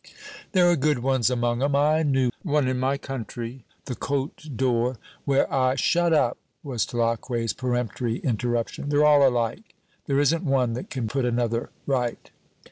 "There are good ones among 'em. I knew one in my country, the Cote d'Or, where I " "Shut up!" was Tulacque's peremptory interruption; "they're all alike. There isn't one that can put another right."